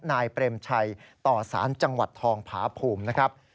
นายเปรมชัยต่อสารจังหวัดทองผาภูมินะครับ